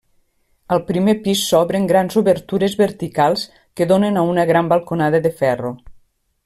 Al primer pis s'obren grans obertures verticals que donen a una gran balconada de ferro.